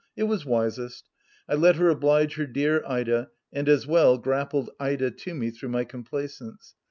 It was wisest. I let her oblige her dear Ida, and, as well, grappled Ida to me through my complaisance.